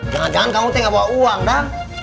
jangan jangan kamu teh gak bawa uang dang